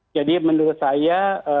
jadi menurut saya